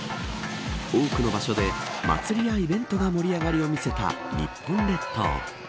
多くの場所で祭りやイベントが盛り上がりを見せた日本列島。